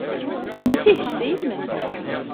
Müthiş, değil mi?